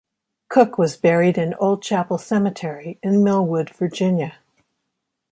Cooke was buried in Old Chapel Cemetery in Millwood, Virginia.